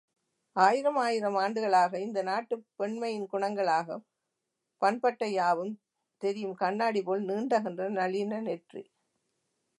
ஆயிரமாயிரம் ஆண்டுகளாக, இந்த நாட்டுப் பெண்மையின் குணங்களாகப் பண்பட்ட யாவும் தெரியும் கண்ணாடிபோல் நீண்டகன்ற நளின நெற்றி.